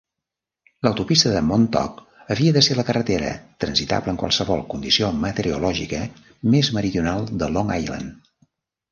L'autopista de Montauk havia de ser la carretera transitable en qualsevol condició meteorològica més meridional de Long Island.